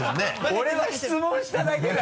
俺は質問しただけだよ。